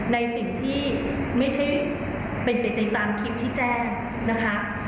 ในสิ่งที่ไม่ใช่เป็นไปตามคลิปที่แจ้งนะคะ